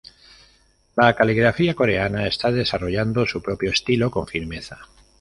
La caligrafía coreana está desarrollando su propio estilo, con firmeza.